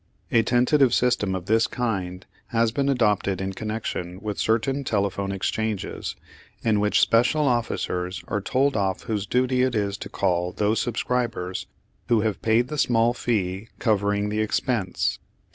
A tentative system of this kind has been adopted in connection with certain telephone exchanges, in which special officers are told off whose duty it is to call those subscribers who have paid the small fee covering the expense.